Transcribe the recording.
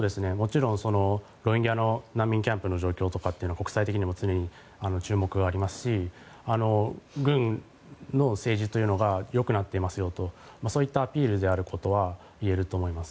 もちろんロヒンギャの難民キャンプの状況というのは国際的にも常に注目はありますし軍の政治というのがよくなっていますよとそういったアピールであることは言えると思います。